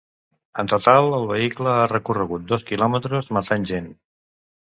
En total, el vehicle ha recorregut dos quilòmetres matant gent.